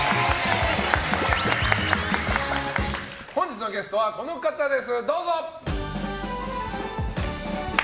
本日のゲストはこの方ですどうぞ！